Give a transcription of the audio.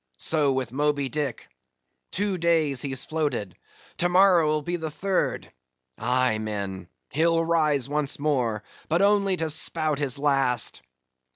So with Moby Dick—two days he's floated—tomorrow will be the third. Aye, men, he'll rise once more,—but only to spout his last!